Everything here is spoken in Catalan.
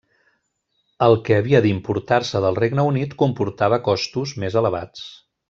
El que havia d'importar-se del Regne Unit comportava costos més elevats.